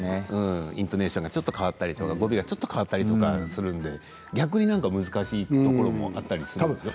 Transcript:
イントネーションがちょっと変わったり語尾が変わったりするので逆に難しいところもあったんです。